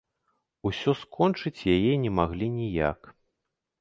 Усё скончыць яе не маглі ніяк.